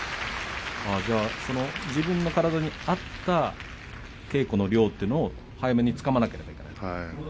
自分の体に合った稽古の量というものを早めにつかまえなくてはいけないですね。